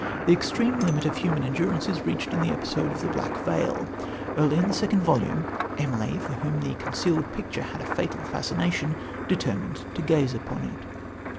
The extreme limit of human endurance is reached in the episode of the Black Veil. Early in the second volume, Emily, for whom the concealed picture had a fatal fascination, determined to gaze upon it.